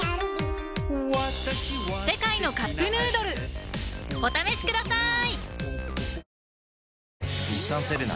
「世界のカップヌードル」お試しください！